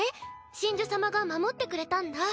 神樹様が守ってくれたんだ。